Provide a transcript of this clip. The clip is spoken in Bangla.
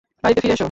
বাড়িতে ফিরে এসো।